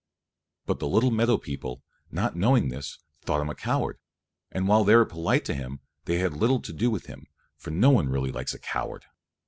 But the little meadow people, not knowing this, thought him a coward, and while they were polite to him they had little to do with him, for no one really likes a coward.